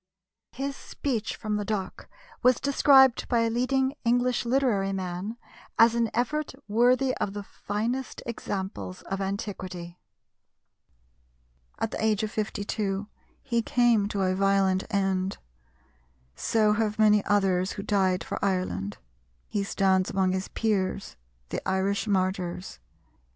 His speech from the dock was described by a leading English literary man as an effort "worthy of the finest examples of antiquity." At the age of 52 he came to a violent end.... So have many others who died for Ireland; he stands among his peers, the Irish martyrs.